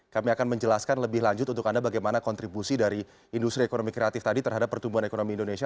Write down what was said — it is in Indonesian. kami akan menjelaskan lebih lanjut untuk anda bagaimana kontribusi dari industri ekonomi kreatif tadi terhadap pertumbuhan ekonomi indonesia